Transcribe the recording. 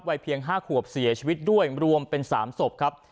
เพียง๕ขวบเสียชีวิตด้วยรวมเป็น๓ศพครับ